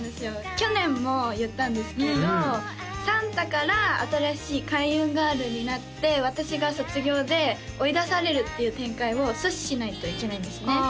去年も言ったんですけどサンタから新しいＫａｉｕｎＧｉｒｌになって私が卒業で追い出されるっていう展開を阻止しないといけないんですね